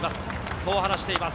そう話しています。